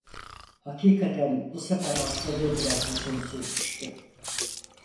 Hakikaten bu sefer hastalığı biraz uzun sürmüştü.